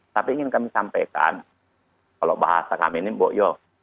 tapi ingin kami sampaikan kalau bahasa kami ini bokyok